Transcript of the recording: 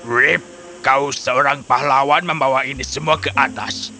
rip kau seorang pahlawan membawa ini semua ke atas